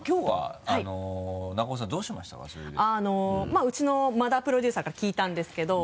まぁウチの馬田プロデューサーから聞いたんですけど。